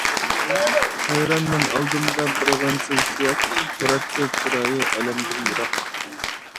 ھەيرانمەن ئالدىمدا بىر غەمسىز سىياق، تۇراتتى چىرايى ئەلەمدىن يىراق.